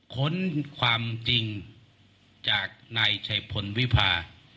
ค้นความจริงจากนายชัยพลวิพา